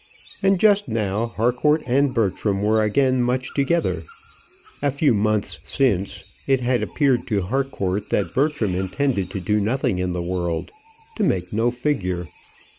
And just now Harcourt and Bertram were again much together. A few months since it had appeared to Harcourt that Bertram intended to do nothing in the world, to make no figure.